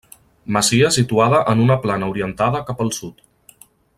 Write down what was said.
Masia situada en una plana orientada cap al sud.